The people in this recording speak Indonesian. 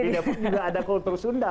tidak pun juga ada kultur sunda